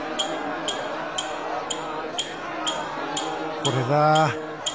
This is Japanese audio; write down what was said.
これだ。